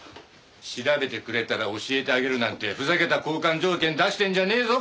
調べてくれたら教えてあげるなんてふざけた交換条件出してんじゃねえぞコラァ！